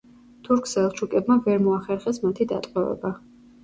თურქ-სელჩუკებმა ვერ მოახერხეს მათი დატყვევება.